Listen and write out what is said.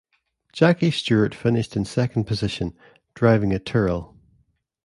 Jackie Stewart finished in second position, driving a Tyrrell.